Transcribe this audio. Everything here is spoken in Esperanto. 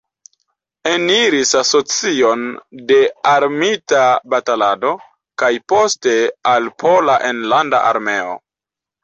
Eniris Asocion de Armita Batalado, kaj poste al Pola Enlanda Armeo.